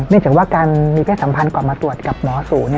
จากว่าการมีเพศสัมพันธ์ก่อนมาตรวจกับหมอสู่